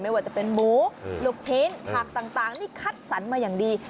ไม่ว่าจะเป็นหมูลูกชิ้นผักต่างนี่คัดสรรมาอย่างดี